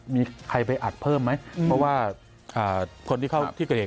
มีใครไปอัดเพิ่มไหมเพราะว่าคนที่เข้าที่เกิดเหตุ